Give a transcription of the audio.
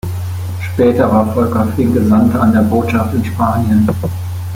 Später war Volker Fink Gesandter an der Botschaft in Spanien.